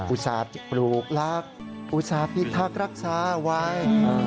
อุตสาปลูกรักอุตสาปิทักรักษาไว